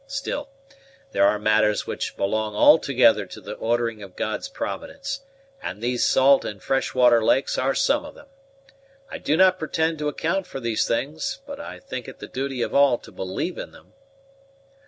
Still, there are matters which belong altogether to the ordering of God's providence; and these salt and fresh water lakes are some of them. I do not pretend to account for these things, but I think it the duty of all to believe in them."